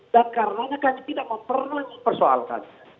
dan karenanya kami tidak mau perlu dipersoalkan